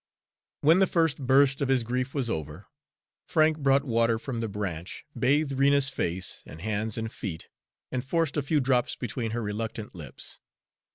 When the first burst of his grief was over, Frank brought water from the branch, bathed Rena's face and hands and feet, and forced a few drops between her reluctant lips.